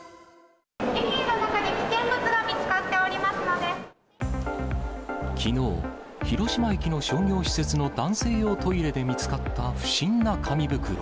エキエの中で危険物が見つかきのう、広島駅の商業施設の男性用トイレで見つかった不審な紙袋。